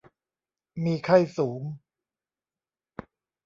มีไข้สูง